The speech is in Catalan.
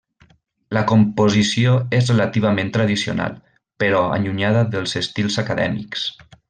La composició és relativament tradicional, però allunyada dels estils acadèmics.